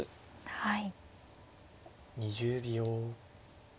はい。